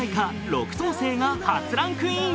「六等星」が初ランクイン。